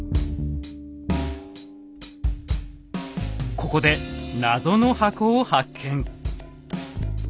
ここでナゾの箱を発見。